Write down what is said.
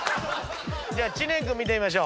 じゃあ知念君見てみましょう。